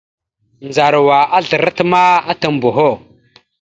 Ndzarawa azlərat ma atam boho.